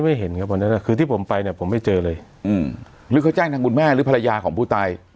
ไม่เห็นครับวันนั้นคือที่ผมไปเนี่ยผมไม่เจอเลยอืมหรือเขาแจ้งทางคุณแม่หรือภรรยาของผู้ตาย